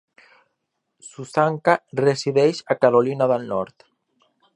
Susanka resideix a Carolina del Nord.